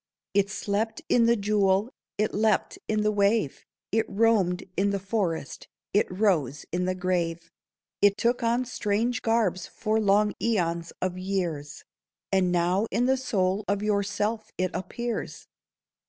It slept in the jewel, it leaped in the wave, It roamed in the forest, it rose in the grave, It took on strange garbs for long æons of years, And now in the soul of yourself it appears.